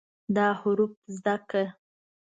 دا حروف زده کړه